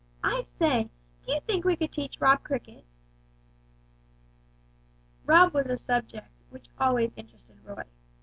I say, do you think we could teach Rob cricket?" Rob was a topic which always interested Roy.